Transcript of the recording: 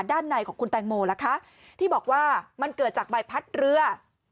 ด้านในของคุณแตงโมล่ะคะที่บอกว่ามันเกิดจากใบพัดเรือ